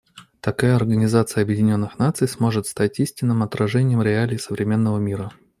Такая Организация Объединенных Наций сможет стать истинным отражением реалий современного мира.